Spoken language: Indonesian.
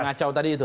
pangacau tadi itu